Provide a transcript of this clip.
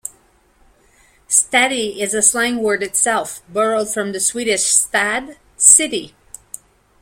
"Stadi" is a slang word itself, borrowed from the Swedish "stad", "city".